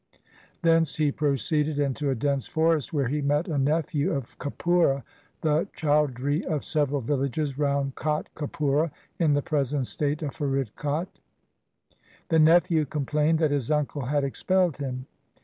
Thence he proceeded into a dense forest where he met a nephew of Kapura, the Chaudhri of several villages round Kot Kapura in the present state of Faridkot. The nephew complained that his uncle had expelled him.